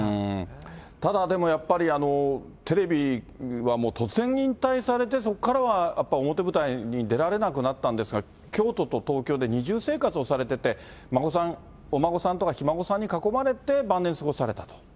ただでもやっぱり、テレビは突然引退されて、そこからはやっぱり表舞台に出られなくなったんですが、京都と東京で二重生活をされてて、お孫さんとかひ孫さんに囲まれて晩年過ごされたと。